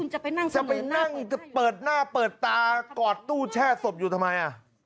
จะไปนั่งจะเปิดหน้าเปิดตากอดตู้แช่ศพอยู่ทำไม